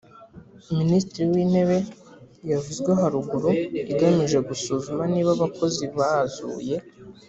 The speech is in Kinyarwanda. minisitiri w intebe yavuzwe haruguru igamije gusuzuma niba abakozi bazuye